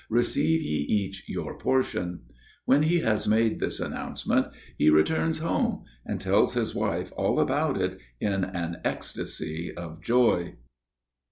Receive ye each your portion." When he has made this announcement, he returns home and tells his wife all about it in an ecstasy of joy.